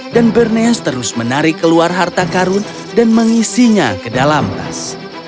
dan bernice terus menarik keluar harta karun dan mengisinya ke dalam tas